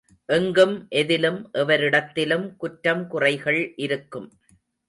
எங்கும் எதிலும் எவரிடத்திலும் குற்றம் குறைகள் இருக்கும்.